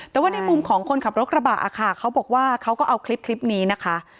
แต่ว่าในมุมของคนขับรถกระบะค่ะเขาบอกว่าเขาก็เอาคลิปนี้นะคะ